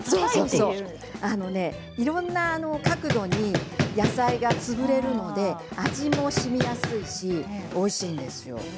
いろんな角度に野菜が潰れるので味もしみやすいしおいしいんですよ。